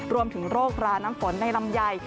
รวมถึงโรคราน้ำฝนในลำไย